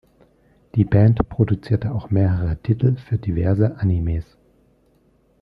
Die Band produzierte auch mehrere Titel für diverse Animes.